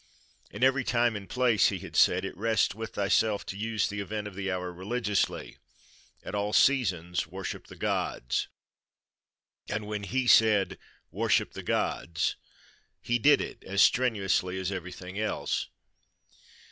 "In every time and place," he had said, "it rests with thyself to use the event of the hour religiously: at all seasons worship the gods." And when he said "Worship the gods!" he did it, as strenuously as everything else.